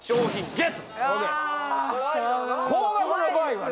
高額の場合はね。